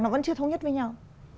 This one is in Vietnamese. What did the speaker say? nó vẫn chưa thống nhất với nhau